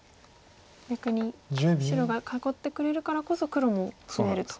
逆に白が囲ってくれるからこそ黒も増えると。